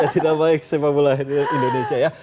tidak baik sepak bola indonesia ya